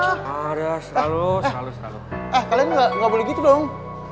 eh eh eh kalian ga boleh gitu dong